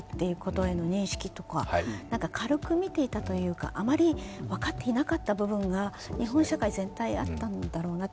男性の性被害への認識というか軽く見ていたというかあまり分かっていなかった部分が日本社会全体であったんだろうなと。＃